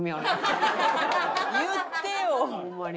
言ってよ！ホンマに。